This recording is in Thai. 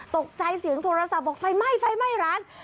ตกใจเสียงโทรศัพท์บอกไฟไหม้ไฟไหม้ร้าน